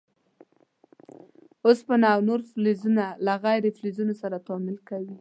اوسپنه او نور فلزونه له غیر فلزونو سره تعامل کوي.